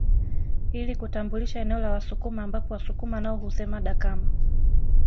Ili kutambulisha eneo la Wasukuma ambapo Wasukuma nao husema dakama